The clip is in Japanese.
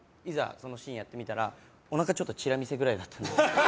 そのシーンをやってみたらおなかチラ見せぐらいだったんで。